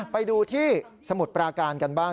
ไปดูที่สมุทรปราการกันบ้าง